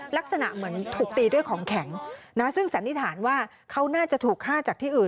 ลักษณะเหมือนถูกตีด้วยของแข็งนะซึ่งสันนิษฐานว่าเขาน่าจะถูกฆ่าจากที่อื่น